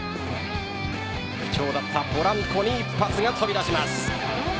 不調だったポランコに一発が飛び出します。